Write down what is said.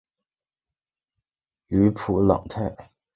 吕普朗泰。